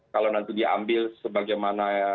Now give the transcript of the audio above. kalau nanti diambil sebagaimana